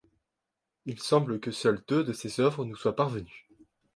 Il semble que seules deux de ses œuvres nous soient parvenues.